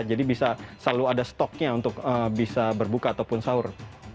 jadi bisa selalu ada stoknya untuk bisa berbuka ataupun sahur